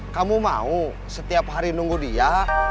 kamu mau setiap hari nunggu dia